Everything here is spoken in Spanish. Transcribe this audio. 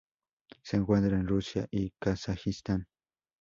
Se encuentra en Rusia y Kazajistán.